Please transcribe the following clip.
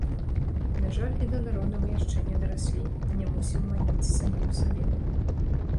На жаль, і да народа мы яшчэ не дараслі, не мусім маніць самім сабе.